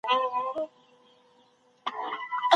سیاسي کړۍ د خلکو پام د اصلي ستونزو څخه اړوي.